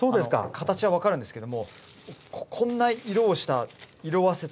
形は分かるんですけどもこんな色をした色あせた。